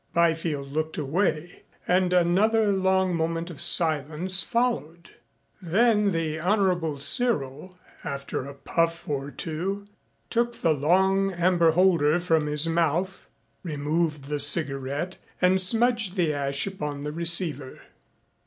Byfield looked away and another long moment of silence followed. Then the Honorable Cyril after a puff or two took the long amber holder from his mouth, removed the cigarette and smudged the ash upon the receiver.